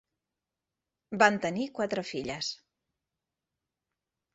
Van tenir quatre filles.